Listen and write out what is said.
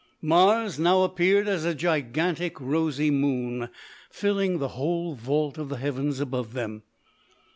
Mars now appeared as a gigantic rosy moon filling the whole vault of the heavens above them.